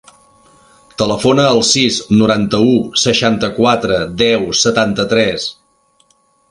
Telefona al sis, noranta-u, seixanta-quatre, deu, setanta-tres.